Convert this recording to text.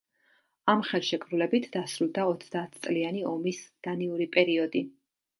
ამ ხელშეკრულებით დასრულდა ოცდაათწლიანი ომის დანიური პერიოდი.